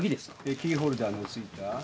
キーホルダーの付いた。